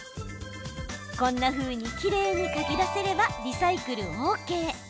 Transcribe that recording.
こんなふうに、きれいにかき出せればリサイクルＯＫ。